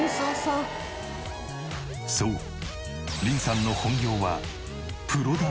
そうリンさんの本業は。